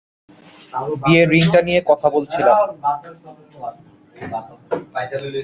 বিয়ের রিংটা নিয়ে কথা বলছিলাম।